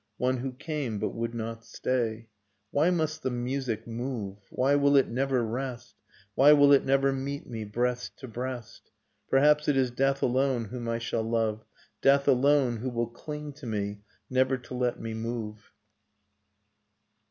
One who came, but would not stay. Why must the music move ? Why will it never rest ? Why will it never meet me, breast to breast? Perhaps it is death alone whom I shall love, — Death alone who will cling to me, never to let me move.